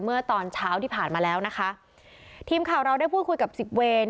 เมื่อตอนเช้าที่ผ่านมาแล้วนะคะทีมข่าวเราได้พูดคุยกับสิบเวร